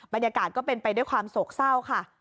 บรรยากาศก็เป็นไปด้วยความโศกเศร้าค่ะ